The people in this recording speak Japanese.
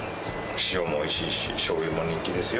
塩もおいしいし、しょうゆも人気ですよ。